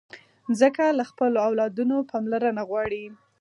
مځکه له خپلو اولادونو پاملرنه غواړي.